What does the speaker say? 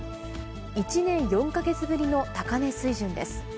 １年４か月ぶりの高値水準です。